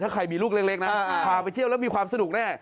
ถ้าใครมีลูกเล็กนะพาไปเที่ยวแล้วมีความสนุกแน่